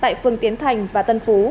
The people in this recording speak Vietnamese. tại phường tiến thành và tân phú